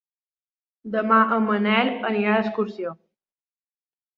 Demà en Manel anirà d'excursió.